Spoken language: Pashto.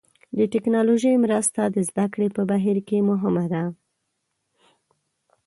د ټکنالوژۍ مرسته د زده کړې په بهیر کې مهمه ده.